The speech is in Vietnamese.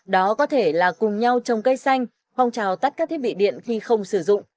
đó có thể là cùng nhau trồng cây xanh phong trào tắt các thiết bị điện khi không sử dụng